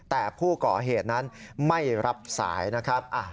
แต่ผู้ก่อเหตุนั้นไม่รับสายนะครับ